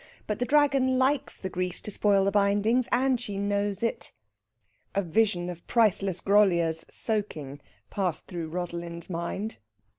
But the Dragon likes the grease to spoil the bindings, and she knows it." A vision of priceless Groliers soaking passed through Rosalind's mind.